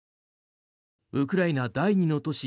ウクライナ第２の都市